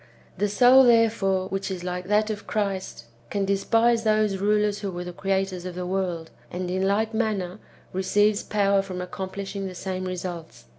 The soul, therefore, which is like that of Christ can despise those rulers who were the creators of the world, and, in like manner, receives power for accomplishing the same results.